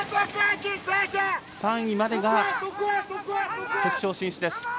３位までが決勝進出です。